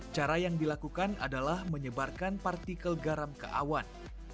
cara yang dilakukan adalah menyebarkan partikel garam ke awan